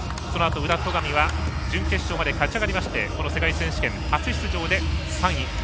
そのあと宇田、戸上は準決勝まで勝ち上がりまして、世界選手権初出場で３位。